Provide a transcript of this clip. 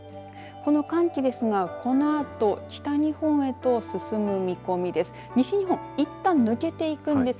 この寒気ですが、このあと北日本へと進む見込みです。